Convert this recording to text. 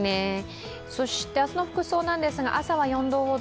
そして明日の服装なんですが、朝は４度ほど。